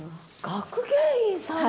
学芸員さんなの！？